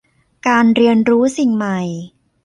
การเรียนรู้สิ่งใหม่